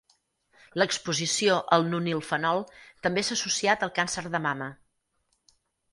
L'exposició al nonilfenol també s'ha associat al càncer de mama.